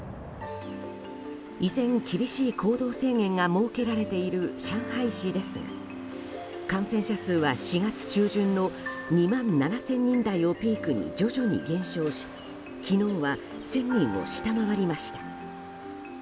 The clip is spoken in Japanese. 依然、厳しい行動制限が設けられている上海市ですが感染者数は４月中旬の２万７０００人台をピークに徐々に減少し、昨日は１０００人を下回りました。